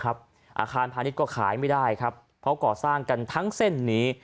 อาคารพาณิชย์ก็ขายไม่ได้ครับเพราะก่อสร้างกันทั้งเส้นนี้